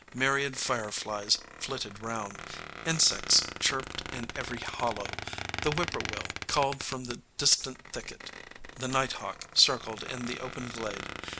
Myriad fireflies flitted round, insects chirped in every hollow, the whippoorwill called from the distant thicket, the night hawk circled in the open glade.